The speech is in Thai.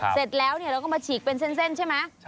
เสร็จแล้วเราก็มาฉีกเป็นเส้นใช่ไหม